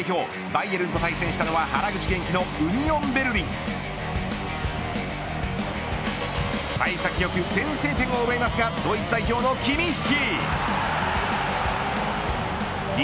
バイエルンと対戦したのは原口元気のウニオンベルリン幸先良く先制点を奪いますがドイツ代表のキミッヒ。